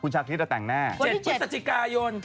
คุณชาคิตอะแต่งหน้าคุณที่๗มันสจิกายน